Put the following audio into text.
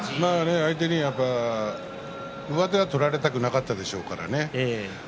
相手に上手は取られたくなかったでしょうからね。